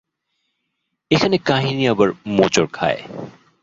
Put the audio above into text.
এখানে কাহিনি আবার মোচড় খায়।